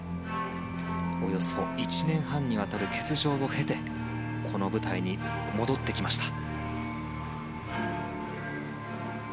およそ１年半にわたる欠場を経てこの舞台に戻ってきました。